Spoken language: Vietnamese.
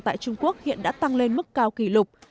tại trung quốc hiện đã tăng lên mức cao kỷ lục